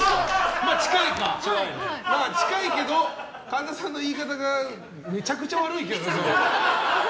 近いけど、神田さんの言い方がめちゃくちゃ悪いけどね。